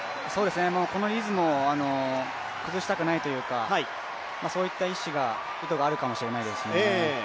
このリズムを崩したくないというか、そういった意図があるかもしれないですね。